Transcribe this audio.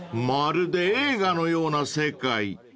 ［まるで映画のような世界］